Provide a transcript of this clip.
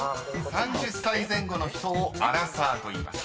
［３０歳前後の人をアラサーといいます］